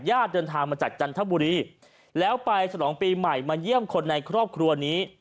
เดินทางมาจากจันทบุรีแล้วไปฉลองปีใหม่มาเยี่ยมคนในครอบครัวนี้